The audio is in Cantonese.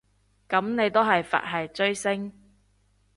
噉你都係佛系追星